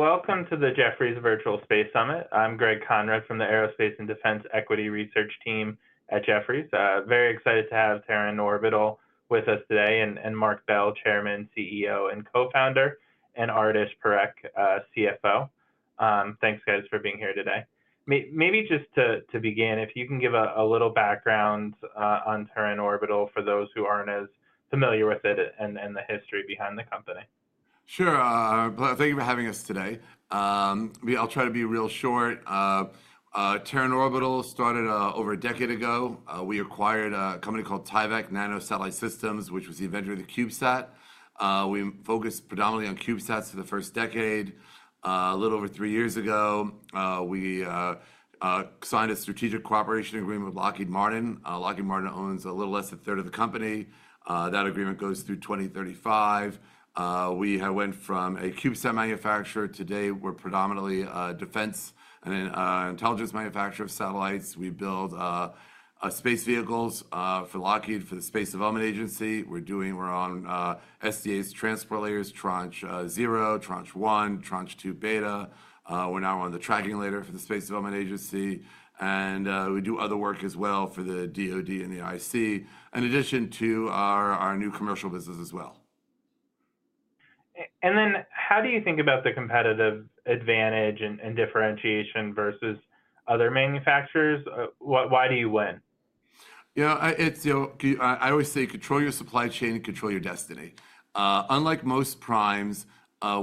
Welcome to the Jefferies Virtual Space Summit. I'm Greg Konrad from the Aerospace and Defense Equity Research Team at Jefferies. Very excited to have Terran Orbital with us today, and Marc Bell, Chairman, CEO, and Co-founder, and Adarsh Parekh, CFO. Thanks, guys, for being here today. Maybe just to begin, if you can give a little background on Terran Orbital, for those who aren't as familiar with it and the history behind the company. Sure. Thank you for having us today. I'll try to be real short. Terran Orbital started over a decade ago. We acquired a company called Tyvak Nano-Satellite Systems, which was the inventor of the CubeSat. We focused predominantly on CubeSats for the first decade. A little over three years ago, we signed a strategic cooperation agreement with Lockheed Martin. Lockheed Martin owns a little less than a third of the company. That agreement goes through 2035. We have went from a CubeSat manufacturer; today we're predominantly a defense and intelligence manufacturer of satellites. We build space vehicles for Lockheed, for the Space Development Agency. We're on SDA's transport layers, Tranche 0, Tranche 1, Tranche 2 Beta. We're now on the Tracking Layer for the Space Development Agency, and we do other work as well for the DoD and the IC, in addition to our new commercial business as well. And then how do you think about the competitive advantage and differentiation versus other manufacturers? Why do you win? You know, it's, you know, I always say, control your supply chain and control your destiny. Unlike most primes,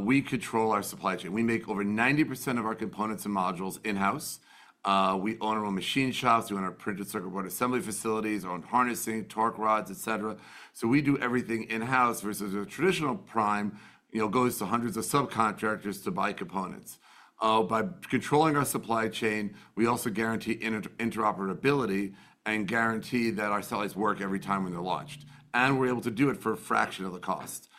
we control our supply chain. We make over 90% of our components and modules in-house. We own our own machine shops. We own our printed circuit board assembly facilities, our own harnessing, torque rods, et cetera. So we do everything in-house versus a traditional prime, you know, goes to hundreds of subcontractors to buy components. By controlling our supply chain, we also guarantee interoperability and guarantee that our satellites work every time when they're launched, and we're able to do it for a fraction of the cost.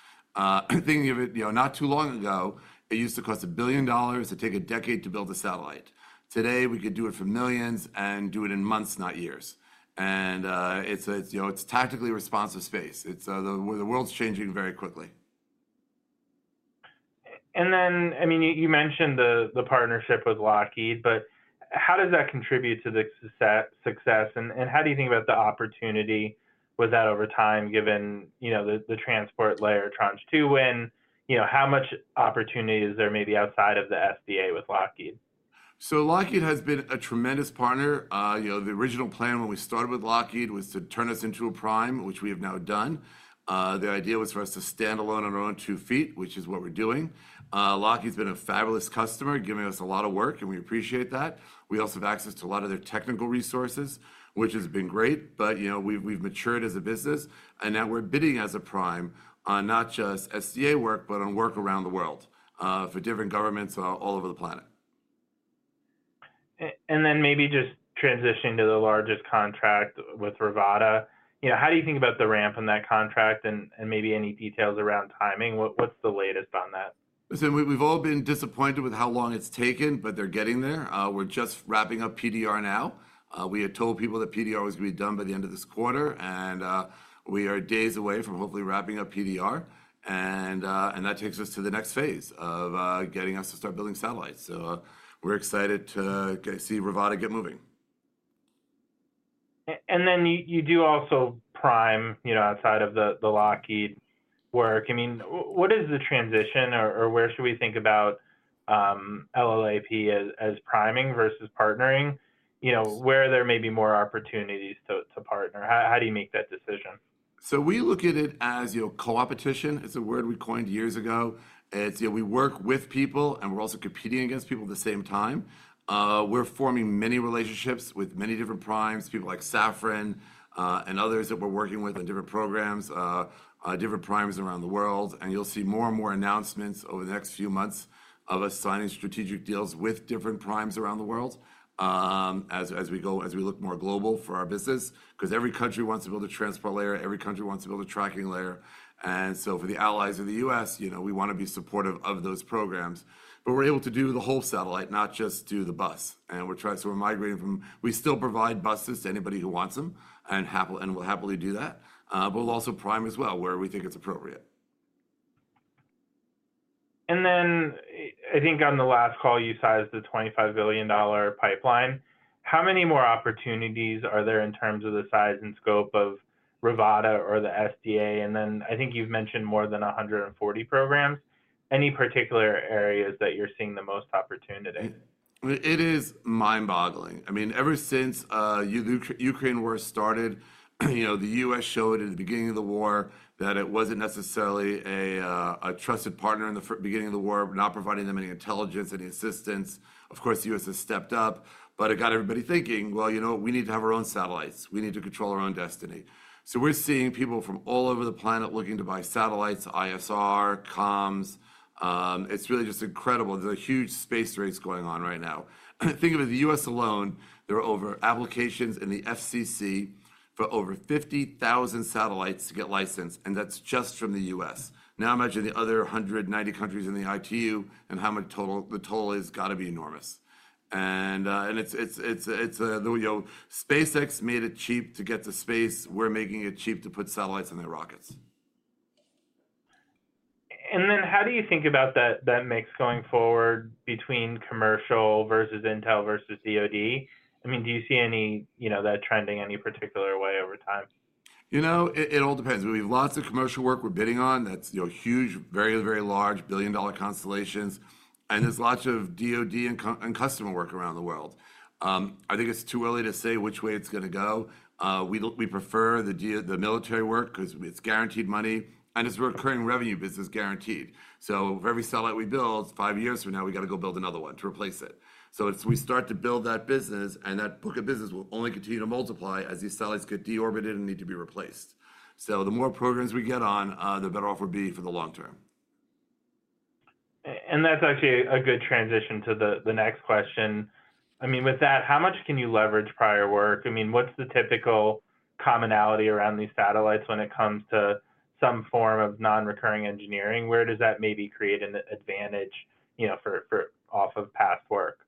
Thinking of it, you know, not too long ago, it used to cost $1 billion to take a decade to build a satellite. Today, we could do it for millions and do it in months, not years. And, you know, it's Tactically Responsive Space. It's... The world's changing very quickly. And then, I mean, you mentioned the partnership with Lockheed, but how does that contribute to the success, and how do you think about the opportunity with that over time, given, you know, the Transport Layer Tranche 2 win? You know, how much opportunity is there maybe outside of the SDA with Lockheed? Lockheed has been a tremendous partner. You know, the original plan when we started with Lockheed was to turn us into a prime, which we have now done. Their idea was for us to stand alone on our own two feet, which is what we're doing. Lockheed's been a fabulous customer, giving us a lot of work, and we appreciate that. We also have access to a lot of their technical resources, which has been great, but, you know, we've matured as a business, and now we're bidding as a prime on not just SDA work, but on work around the world, for different governments, all over the planet. And then maybe just transitioning to the largest contract with Rivada. You know, how do you think about the ramp in that contract and maybe any details around timing? What's the latest on that? Listen, we've all been disappointed with how long it's taken, but they're getting there. We're just wrapping up PDR now. We had told people that PDR was gonna be done by the end of this quarter, and we are days away from hopefully wrapping up PDR. And that takes us to the next phase of getting us to start building satellites. So, we're excited to see Rivada get moving. And then you, you do also prime, you know, outside of the, the Lockheed work. I mean, what is the transition or, or where should we think about LLAP as, as priming versus partnering? You know, where there may be more opportunities to, to partner. How, how do you make that decision? So we look at it as, you know, co-opetition. It's a word we coined years ago. It's, you know, we work with people, and we're also competing against people at the same time. We're forming many relationships with many different primes, people like Safran, and others that we're working with on different programs, different primes around the world. And you'll see more and more announcements over the next few months of us signing strategic deals with different primes around the world, as we look more global for our business, 'cause every country wants to build a Transport Layer, every country wants to build a Tracking Layer. And so for the allies of the U.S., you know, we wanna be supportive of those programs, but we're able to do the whole satellite, not just do the bus. So we're migrating from... We still provide buses to anybody who wants them, and we'll happily do that, but we'll also prime as well, where we think it's appropriate. I think on the last call, you sized a $25 billion pipeline. How many more opportunities are there in terms of the size and scope of Rivada or the SDA? I think you've mentioned more than 140 programs. Any particular areas that you're seeing the most opportunity? It is mind-boggling. I mean, ever since the Ukraine war started, you know, the U.S. showed at the beginning of the war that it wasn't necessarily a trusted partner in the beginning of the war, not providing them any intelligence, any assistance. Of course, the U.S. has stepped up, but it got everybody thinking: "Well, you know, we need to have our own satellites. We need to control our own destiny." So we're seeing people from all over the planet looking to buy satellites, ISR, comms. It's really just incredible. There's a huge space race going on right now. Think of it, the U.S. alone, there are over applications in the FCC for over 50,000 satellites to get licensed, and that's just from the U.S. Now, imagine the other 190 countries in the ITU and how much total, the total has got to be enormous. And it's a, you know... SpaceX made it cheap to get to space. We're making it cheap to put satellites in their rockets. ...And then how do you think about that, that mix going forward between commercial versus Intel versus DOD? I mean, do you see any, you know, that trending any particular way over time? You know, it all depends. We have lots of commercial work we're bidding on that's, you know, huge, very, very large billion-dollar constellations, and there's lots of DoD and customer work around the world. I think it's too early to say which way it's gonna go. We prefer the military work 'cause it's guaranteed money, and it's recurring revenue business guaranteed. So for every satellite we build, five years from now, we've got to go build another one to replace it. So as we start to build that business, and that book of business will only continue to multiply as these satellites get deorbited and need to be replaced. So the more programs we get on, the better off we'll be for the long term. And that's actually a good transition to the next question. I mean, with that, how much can you leverage prior work? I mean, what's the typical commonality around these satellites when it comes to some form of non-recurring engineering? Where does that maybe create an advantage, you know, for off of past work?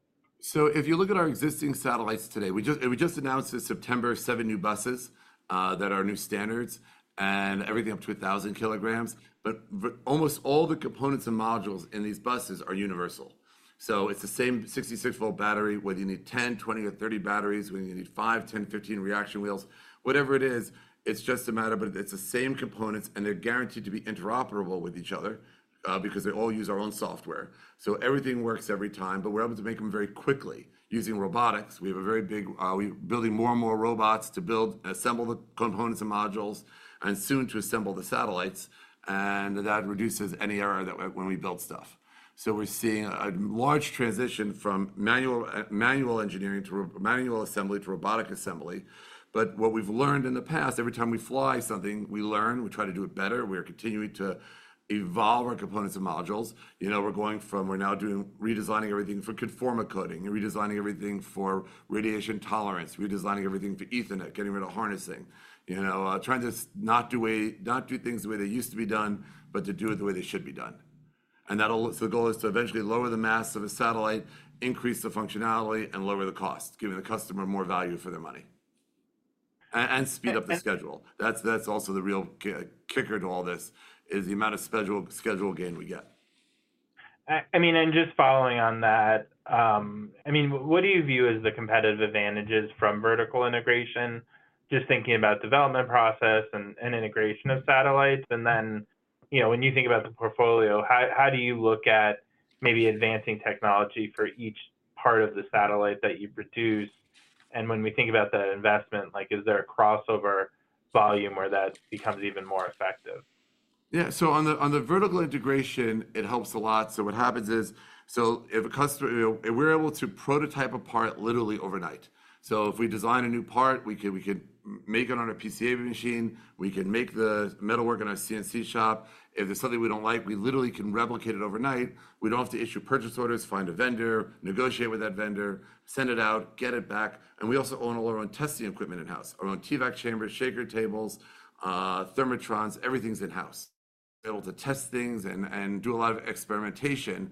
So if you look at our existing satellites today, we just announced in September 7th new buses that are new standards and everything up to 1,000 kg. But almost all the components and modules in these buses are universal. So it's the same 66-volt battery, whether you need 10, 20, or 30 batteries, whether you need 5, 10, 15 reaction wheels. Whatever it is, it's just the same components, and they're guaranteed to be interoperable with each other because they all use our own software. So everything works every time, but we're able to make them very quickly using robotics. We have a very big... we're building more and more robots to build and assemble the components and modules and soon to assemble the satellites, and that reduces any error when we build stuff. So we're seeing a large transition from manual engineering to manual assembly to robotic assembly. But what we've learned in the past, every time we fly something, we learn, we try to do it better. We are continuing to evolve our components and modules. You know, we're now doing redesigning everything for conformal coating and redesigning everything for radiation tolerance, redesigning everything for Ethernet, getting rid of harnessing. You know, trying to not do things the way they used to be done, but to do it the way they should be done. And that'll... So the goal is to eventually lower the mass of a satellite, increase the functionality, and lower the cost, giving the customer more value for their money and speed up the schedule. That's also the real kicker to all this, is the amount of schedule gain we get. I mean, and just following on that, I mean, what do you view as the competitive advantages from vertical integration? Just thinking about development process and integration of satellites. And then, you know, when you think about the portfolio, how do you look at maybe advancing technology for each part of the satellite that you produce? And when we think about the investment, like, is there a crossover volume where that becomes even more effective? Yeah. So on the, on the vertical integration, it helps a lot. So what happens is, so if a customer, you know, we're able to prototype a part literally overnight. So if we design a new part, we can, we can make it on a PCBA machine, we can make the metalwork in our CNC shop. If there's something we don't like, we literally can replicate it overnight. We don't have to issue purchase orders, find a vendor, negotiate with that vendor, send it out, get it back, and we also own all our own testing equipment in-house, our own TVAC chambers, shaker tables, Thermotrons, everything's in-house. Able to test things and do a lot of experimentation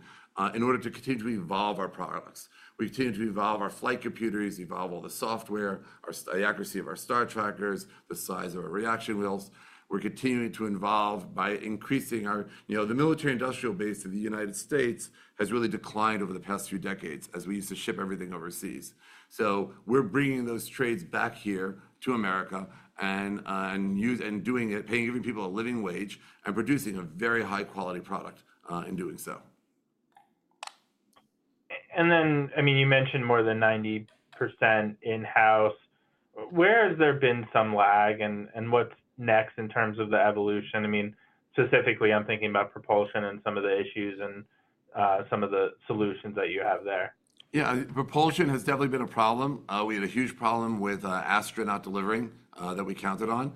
in order to continually evolve our products. We continue to evolve our flight computers, evolve all the software, our the accuracy of our star trackers, the size of our reaction wheels. We're continuing to evolve by increasing our... You know, the military industrial base of the United States has really declined over the past few decades as we used to ship everything overseas. So we're bringing those trades back here to America and, and doing it, paying, giving people a living wage, and producing a very high-quality product, in doing so. And then, I mean, you mentioned more than 90% in-house. Where has there been some lag, and what's next in terms of the evolution? I mean, specifically, I'm thinking about propulsion and some of the issues and some of the solutions that you have there. Yeah. Propulsion has definitely been a problem. We had a huge problem with Astra not delivering that we counted on.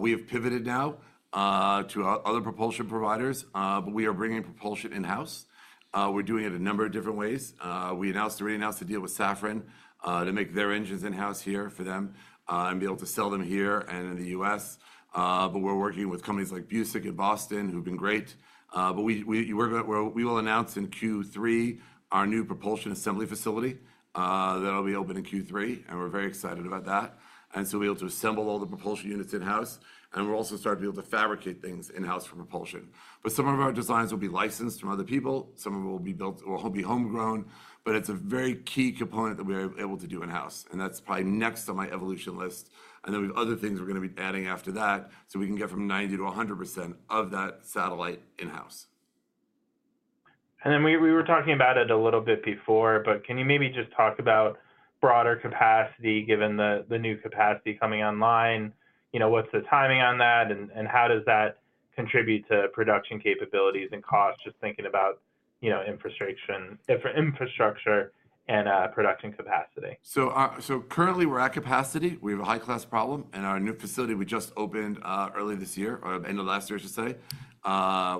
We have pivoted now to other propulsion providers, but we are bringing propulsion in-house. We're doing it a number of different ways. We announced a deal with Safran to make their engines in-house here for them, and be able to sell them here and in the U.S. But we're working with companies like Busek in Boston, who've been great. But we will announce in Q3 our new propulsion assembly facility, that'll be open in Q3, and we're very excited about that. And so we'll be able to assemble all the propulsion units in-house, and we're also starting to be able to fabricate things in-house for propulsion. But some of our designs will be licensed from other people, some of them will be built, or will be homegrown, but it's a very key component that we're able to do in-house, and that's probably next on my evolution list. And then we've other things we're gonna be adding after that, so we can get from 90% to 100% of that satellite in-house. And then we were talking about it a little bit before, but can you maybe just talk about broader capacity, given the new capacity coming online? You know, what's the timing on that, and how does that contribute to production capabilities and costs? Just thinking about, you know, infrastructure, different infrastructure and production capacity. So, so currently, we're at capacity. We have a high-class problem, and our new facility we just opened early this year, or end of last year, I should say,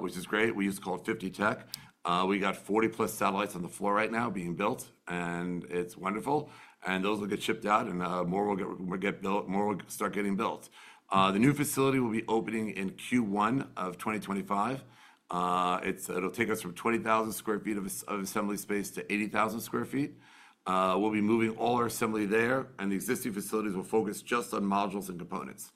which is great. We just call it 50 Tech. We got 40+ satellites on the floor right now being built, and it's wonderful. And those will get shipped out, and more will get, will get built, more will start getting built. The new facility will be opening in Q1 of 2025. It'll take us from 20,000 sq ft of assembly space to 80,000 sq ft. We'll be moving all our assembly there, and the existing facilities will focus just on modules and components.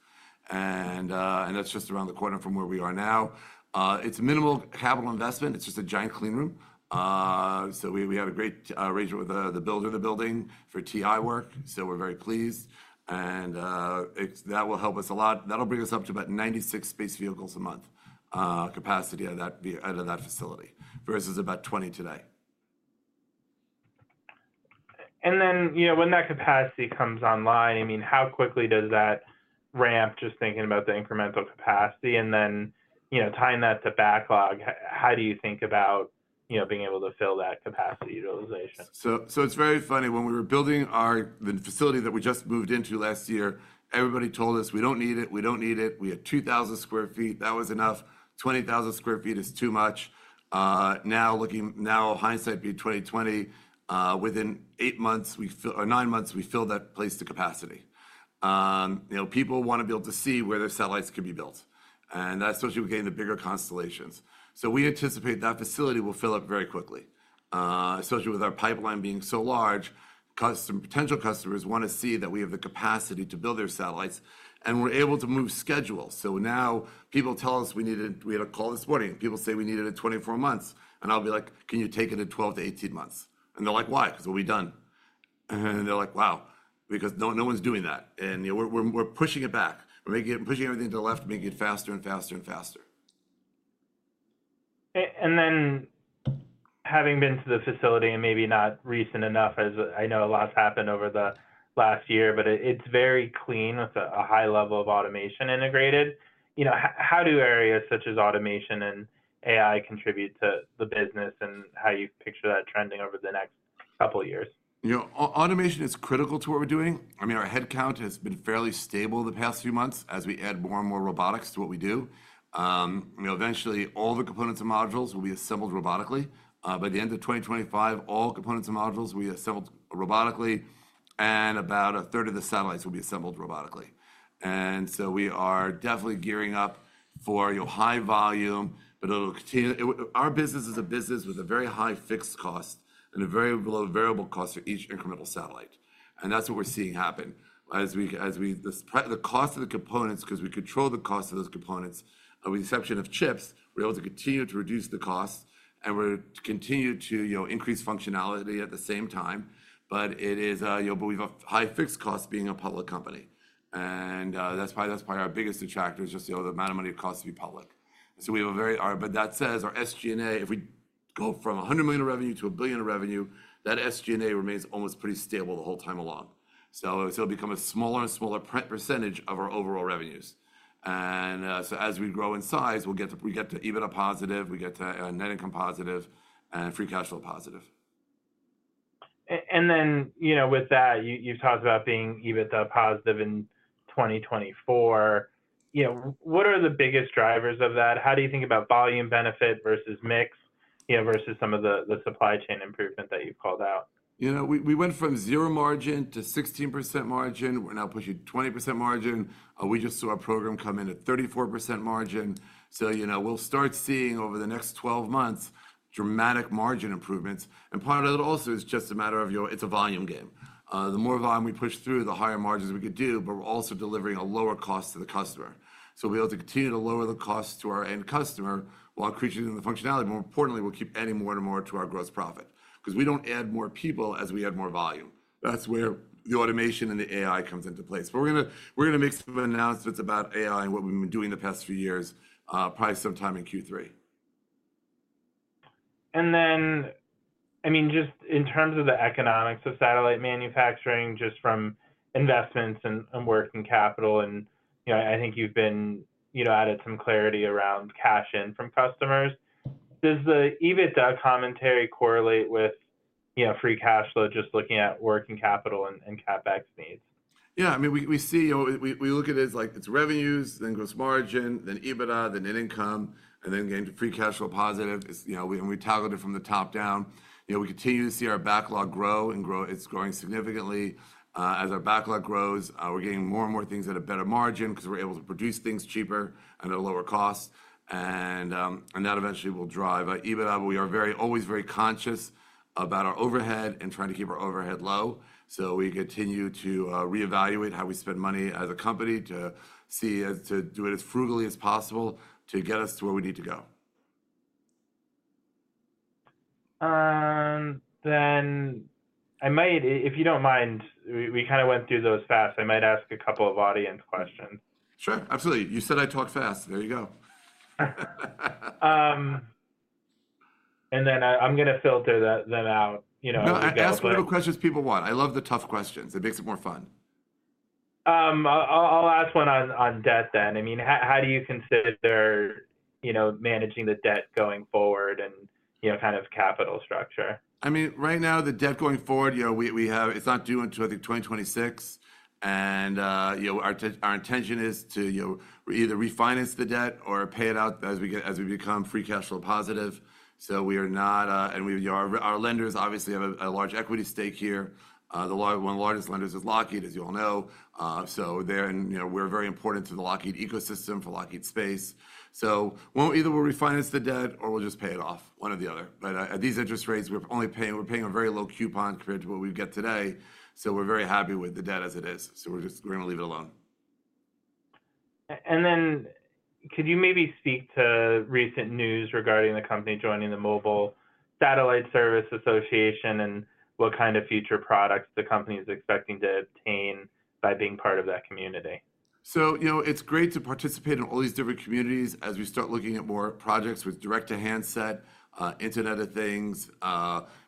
And that's just around the corner from where we are now. It's minimal capital investment. It's just a giant clean room. So we have a great arrangement with the builder of the building for TI work, so we're very pleased. And it will help us a lot. That'll bring us up to about 96 space vehicles a month capacity out of that facility, versus about 20 today. And then, you know, when that capacity comes online, I mean, how quickly does that ramp? Just thinking about the incremental capacity, and then, you know, tying that to backlog, how do you think about, you know, being able to fill that capacity utilization? So, so it's very funny. When we were building our, the facility that we just moved into last year, everybody told us, "We don't need it. We don't need it. We have 2,000 sq ft. That was enough. 20,000 sq ft is too much." Now, hindsight being 20/20, within eight months, or nine months, we filled that place to capacity. You know, people wanna be able to see where their satellites can be built, and that's especially with getting the bigger constellations. So we anticipate that facility will fill up very quickly. Especially with our pipeline being so large, because some potential customers wanna see that we have the capacity to build their satellites, and we're able to move schedules. So now, people tell us we need—we had a call this morning, people say we need it in 24 months. And I'll be like: "Can you take it to 12-18 months?" And they're like, "Why?" "'Cause it'll be done." And they're like, "Wow," because no, no one's doing that. And, you know, we're pushing it back. We're making it, pushing everything to the left, making it faster and faster and faster. And then, having been to the facility and maybe not recent enough, as I know a lot's happened over the last year, but it, it's very clean with a high level of automation integrated. You know, how do areas such as automation and AI contribute to the business and how you picture that trending over the next couple of years? You know, automation is critical to what we're doing. I mean, our headcount has been fairly stable the past few months as we add more and more robotics to what we do. You know, eventually, all the components and modules will be assembled robotically. By the end of 2025, all components and modules will be assembled robotically, and about a third of the satellites will be assembled robotically. And so we are definitely gearing up for, you know, high volume, but it'll continue. Our business is a business with a very high fixed cost and a very low variable cost for each incremental satellite, and that's what we're seeing happen. The cost of the components, 'cause we control the cost of those components, with the exception of chips, we're able to continue to reduce the cost and we're continue to, you know, increase functionality at the same time. But it is, you know, but we've a high fixed cost being a public company. And, that's probably our biggest attractor is just, you know, the amount of money it costs to be public. So we have a very- but that says our SG&A, if we go from $100 million of revenue to $1 billion of revenue, that SG&A remains almost pretty stable the whole time along. So, it'll become a smaller and smaller percentage of our overall revenues. As we grow in size, we get to EBITDA positive, we get to net income positive, and free cash flow positive. And then, you know, with that, you, you've talked about being EBITDA positive in 2024. You know, what are the biggest drivers of that? How do you think about volume benefit versus mix, you know, versus some of the supply chain improvement that you've called out? You know, we went from zero margin to 16% margin. We're now pushing 20% margin. We just saw a program come in at 34% margin. So, you know, we'll start seeing over the next 12 months, dramatic margin improvements. And part of it also is just a matter of, you know, it's a volume game. The more volume we push through, the higher margins we could do, but we're also delivering a lower cost to the customer. So we'll be able to continue to lower the cost to our end customer while increasing the functionality. More importantly, we'll keep adding more and more to our gross profit. 'Cause we don't add more people as we add more volume. That's where the automation and the AI comes into place. But we're gonna, we're gonna make some announcements about AI and what we've been doing the past few years, probably sometime in Q3. And then, I mean, just in terms of the economics of satellite manufacturing, just from investments and, and working capital, and, you know, I think you've been, you know, added some clarity around cash in from customers. Does the EBITDA commentary correlate with, you know, free cash flow, just looking at working capital and, and CapEx needs? Yeah, I mean, we see. We look at it as like it's revenues, then gross margin, then EBITDA, then net income, and then getting to free cash flow positive. It's, you know, and we toggled it from the top down. You know, we continue to see our backlog grow and grow—it's growing significantly. As our backlog grows, we're getting more and more things at a better margin, 'cause we're able to produce things cheaper and at a lower cost, and that eventually will drive our EBITDA. We are very, always very conscious about our overhead and trying to keep our overhead low. So we continue to reevaluate how we spend money as a company to see, to do it as frugally as possible to get us to where we need to go. Then I might, if you don't mind, we kind of went through those fast. I might ask a couple of audience questions. Sure, absolutely. You said I talk fast. There you go. And then I'm gonna filter that then out, you know- No, ask the tough questions people want. I love the tough questions. It makes it more fun. I'll ask one on debt then. I mean, how do you consider, you know, managing the debt going forward and, you know, kind of capital structure? I mean, right now, the debt going forward, you know, we have—it's not due until, I think, 2026. And, you know, our intention is to, you know, either refinance the debt or pay it out as we get, as we become free cash flow positive. So we are not... And we, our lenders obviously have a large equity stake here. The largest—one of the largest lenders is Lockheed, as you all know. So they're, and, you know, we're very important to the Lockheed ecosystem, for Lockheed Space. So we'll either refinance the debt or we'll just pay it off, one or the other. But at these interest rates, we're only paying—we're paying a very low coupon compared to what we'd get today, so we're very happy with the debt as it is. So we're gonna leave it alone. And then could you maybe speak to recent news regarding the company joining the Mobile Satellite Services Association, and what kind of future products the company is expecting to obtain by being part of that community? ...So, you know, it's great to participate in all these different communities as we start looking at more projects with direct-to-handset, Internet of Things.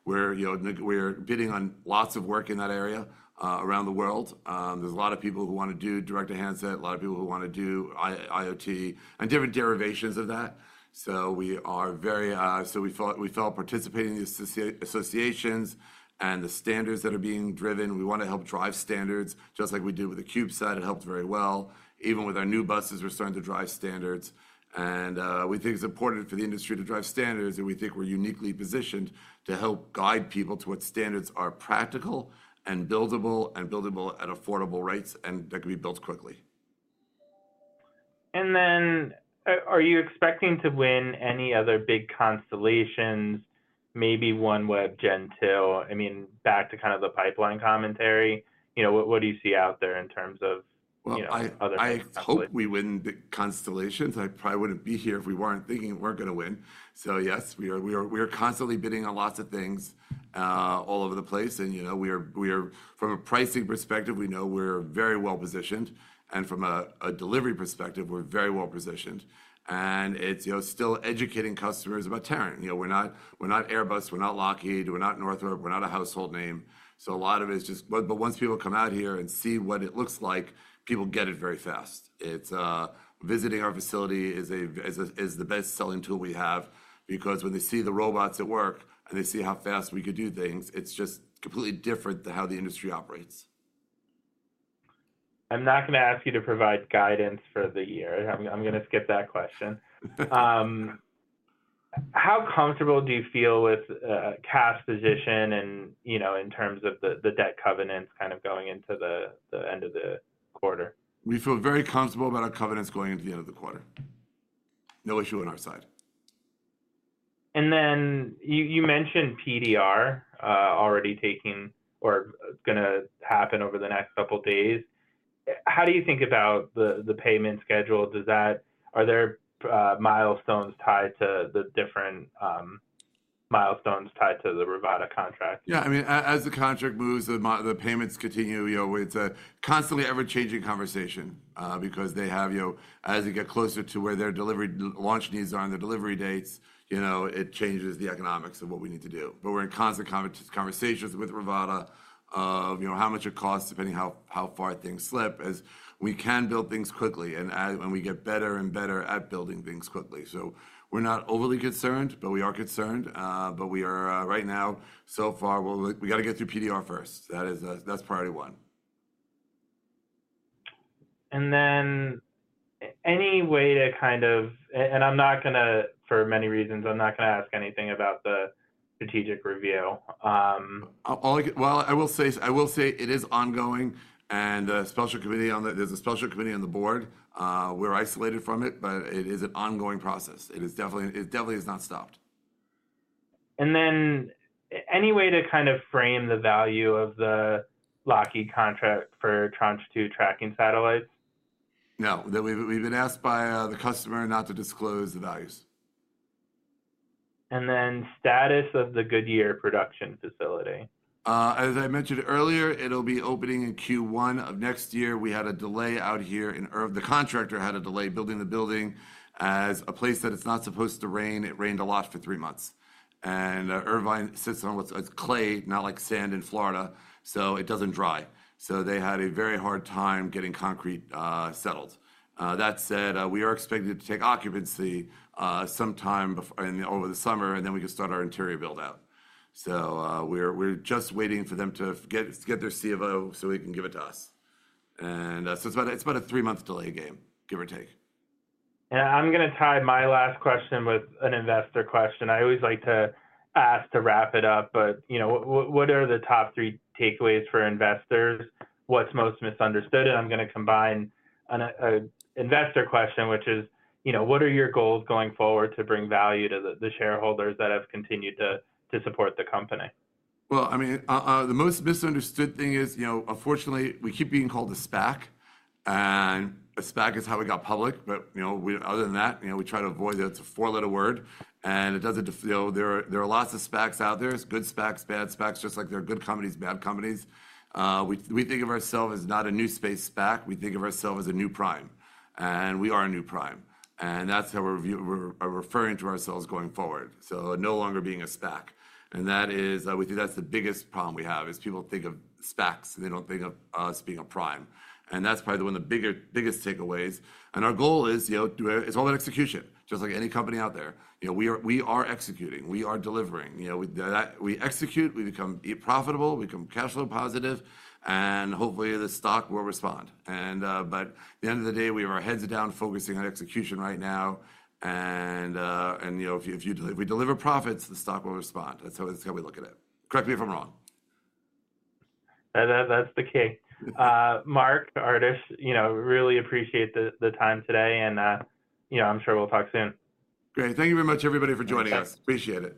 We're, you know, we're bidding on lots of work in that area, around the world. There's a lot of people who wanna do direct-to-handset, a lot of people who wanna do IoT, and different derivations of that. So we are very, we felt participating in these associations and the standards that are being driven, we wanna help drive standards, just like we did with the CubeSat. It helped very well. Even with our new buses, we're starting to drive standards, and we think it's important for the industry to drive standards, and we think we're uniquely positioned to help guide people to what standards are practical and buildable, and buildable at affordable rates, and that can be built quickly. And then, are you expecting to win any other big constellations? Maybe one with Gen2. I mean, back to kind of the pipeline commentary. You know, what, what do you see out there in terms of, you know, other types of constellations? Well, I hope we win big constellations. I probably wouldn't be here if we weren't thinking we're gonna win. So yes, we are constantly bidding on lots of things all over the place. And, you know, we are... From a pricing perspective, we know we're very well positioned, and from a delivery perspective, we're very well positioned. And it's, you know, still educating customers about Terran. You know, we're not, we're not Airbus, we're not Lockheed, we're not Northrop, we're not a household name. So a lot of it is just- but, but once people come out here and see what it looks like, people get it very fast. It's visiting our facility is the best-selling tool we have because when they see the robots at work and they see how fast we could do things, it's just completely different than how the industry operates. I'm not gonna ask you to provide guidance for the year. I'm gonna skip that question. How comfortable do you feel with cash position and, you know, in terms of the debt covenants kind of going into the end of the quarter? We feel very comfortable about our covenants going into the end of the quarter. No issue on our side. And then, you mentioned PDR already taking or gonna happen over the next couple of days. How do you think about the payment schedule? Are there milestones tied to the different milestones tied to the Rivada contract? Yeah, I mean, as the contract moves, the payments continue. You know, it's a constantly ever-changing conversation, because they have, you know, as you get closer to where their delivery, launch needs are and their delivery dates, you know, it changes the economics of what we need to do. But we're in constant conversations with Rivada of, you know, how much it costs, depending how far things slip, as we can build things quickly, and we get better and better at building things quickly. So we're not overly concerned, but we are concerned. But we are, right now, so far, well, look, we gotta get through PDR first. That is, that's priority one. Any way to kind of... and I'm not gonna, for many reasons, I'm not gonna ask anything about the strategic review. Well, I will say it is ongoing, and there's a special committee on the board. We're isolated from it, but it is an ongoing process. It is definitely, it definitely has not stopped. Then, any way to kind of frame the value of the Lockheed contract for Tranche 2 tracking satellites? No. We've been asked by the customer not to disclose the values. And then, status of the Goodyear production facility. As I mentioned earlier, it'll be opening in Q1 of next year. We had a delay out here in Irvine—the contractor had a delay building the building. As a place that it's not supposed to rain, it rained a lot for three months. And, Irvine sits on what's, clay, not like sand in Florida, so it doesn't dry. So they had a very hard time getting concrete, settled. That said, we are expected to take occupancy, sometime before—in over the summer, and then we can start our interior build-out. So, we're just waiting for them to get their C of O, so they can give it to us. And, so it's about a three-month delay, give or take. I'm gonna tie my last question with an investor question. I always like to ask to wrap it up, but, you know, what, what, what are the top three takeaways for investors? What's most misunderstood? And I'm gonna combine on a investor question, which is, you know, what are your goals going forward to bring value to the shareholders that have continued to support the company? Well, I mean, the most misunderstood thing is, you know, unfortunately, we keep being called a SPAC, and a SPAC is how we got public. But, you know, other than that, you know, we try to avoid it. It's a four-letter word, and it doesn't, you know, there are lots of SPACs out there. There's good SPACs, bad SPACs, just like there are good companies, bad companies. We think of ourselves as not a new space SPAC. We think of ourselves as a new prime, and we are a new prime, and that's how we are referring to ourselves going forward, so no longer being a SPAC. And that is, we think that's the biggest problem we have, is people think of SPACs, they don't think of us being a prime, and that's probably one of the biggest takeaways. And our goal is, you know, it's all about execution, just like any company out there. You know, we are, we are executing, we are delivering. You know, with that, we execute, we become profitable, we become cash flow positive, and hopefully, the stock will respond. And, but at the end of the day, we have our heads down, focusing on execution right now, and, you know, if we deliver profits, the stock will respond. That's how, that's how we look at it. Correct me if I'm wrong. That, that's the key. Marc, Adarsh, you know, really appreciate the time today, and, you know, I'm sure we'll talk soon. Great. Thank you very much, everybody, for joining us. Thanks. Appreciate it.